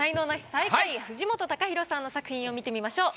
最下位藤本隆宏さんの作品を見てみましょう。